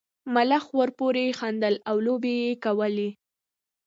ملخ ورپورې خندل او لوبې یې کولې.